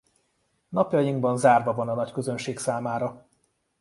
Napjainkban zárva van a nagyközönség számára.